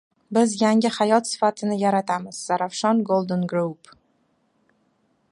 Biz yangi hayot sifatini yaratamiz — «Zarafshan Golden group»